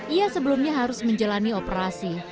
ia sebelumnya harus menjalani operasi